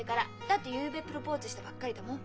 だってゆうべプロポーズしたばっかりだもん。